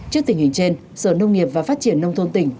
trước tình hình trên sở nông nghiệp và phát triển nông thôn tỉnh